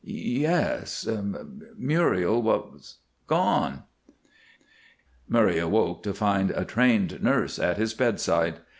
Yes. Muriel was gone! Murray awoke to find a trained nurse at his bedside.